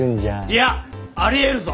いやありえるぞ。